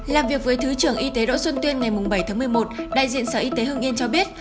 làm việc với thứ trưởng y tế đỗ xuân tuyên ngày bảy tháng một mươi một đại diện sở y tế hương yên cho biết